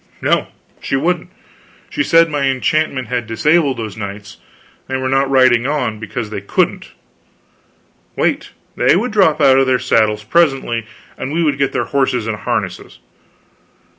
No, she wouldn't. She said that my enchantment had disabled those knights; they were not riding on, because they couldn't; wait, they would drop out of their saddles presently, and we would get their horses and harness.